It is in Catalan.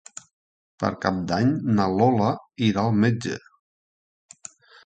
Per Cap d'Any na Lola irà al metge.